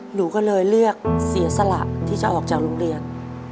หนูก็เลยเลือกเสียสละที่จะออกจากโรงเรียน